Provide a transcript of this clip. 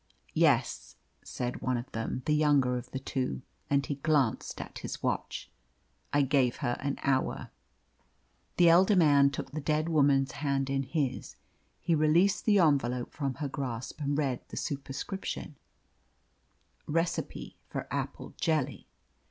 "Yes," said one of them the younger of the two and he glanced at his watch. "I gave her an hour." The elder man took the dead woman's hand in his. He released the envelope from her grasp and read the superscription, "Recipe for apple jelly."